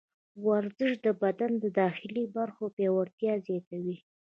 ورزش د بدن د داخلي برخو پیاوړتیا زیاتوي.